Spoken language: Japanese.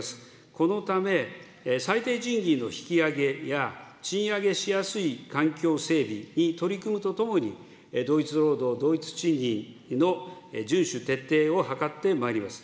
このため、最低賃金の引き上げや賃上げしやすい環境整備に取り組むとともに、同一労働同一賃金の順守、徹底を図ってまいります。